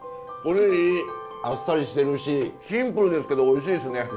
あっさりしてるしシンプルですけどおいしいですね。